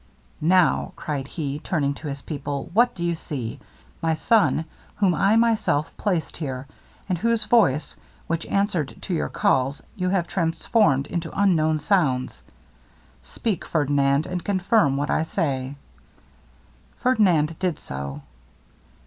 'Now,' cried he, turning to his people, 'what do you see? My son, whom I myself placed here, and whose voice, which answered to your calls, you have transformed into unknown sounds. Speak, Ferdinand, and confirm what I say.' Ferdinand did so.